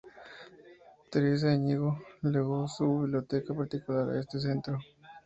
Teresa Íñigo legó su biblioteca particular a este centro.